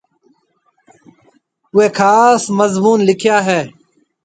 اُوئي خاص مضمُون لِکيا هيَ۔